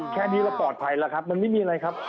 แค่นี้เราปลอดภัยแล้วครับมันไม่มีอะไรครับ